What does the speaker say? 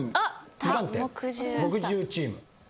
２番手木１０チーム。